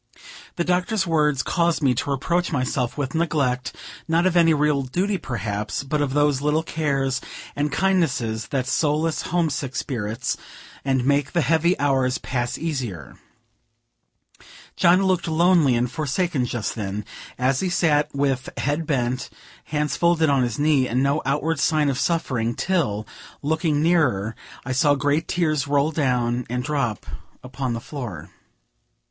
The Doctor's words caused me to reproach myself with neglect, not of any real duty perhaps, but of those little cares and kindnesses that solace homesick spirits, and make the heavy hours pass easier. John looked lonely and forsaken just then, as he sat with bent head, hands folded on his knee, and no outward sign of suffering, till, looking nearer, I saw great tears roll down and drop upon the floor.